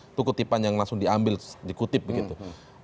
itu kutipan yang langsung diambil dikutip begitu